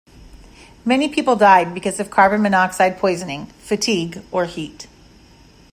Many people died because of carbon monoxide poisoning, fatigue or heat.